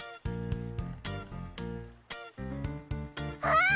あっ！